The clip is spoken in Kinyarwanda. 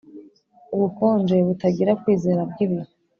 ubukonje butagira kwizera bwibihe;